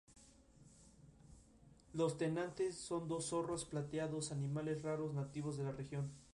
Los tenantes son dos zorros plateados, animales raros nativos de la región.